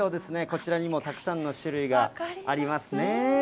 こちらにもたくさんの種類がありますね。